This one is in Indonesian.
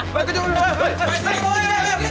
hei kejauhan kejauhan